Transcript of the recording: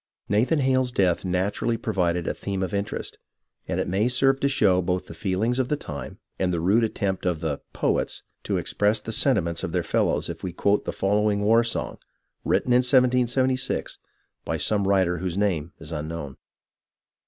Nathan Hale's death naturally provided a theme of interest, and it may serve to show both the feel ings of the time and the rude attempt of the " poets " to express the sentiments of their fellows if we quote the following war song, written in 1776, by some writer whose name is unknown.